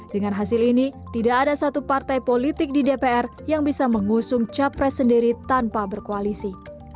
dengan hasil ini tidak ada satu partai politik di dpr yang bisa mengusung capres sendiri tanpa berkoalisi